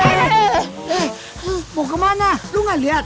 eh mau ke mana lu gak lihat